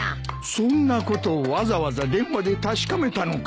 そんなことをわざわざ電話で確かめたのか？